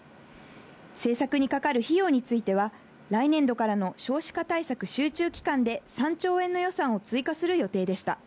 政策にかかる費用については、来年度からの少子化対策集中期間で３兆円の予算を追加する予定でした。